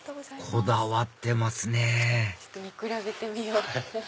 こだわってますね見比べてみよう！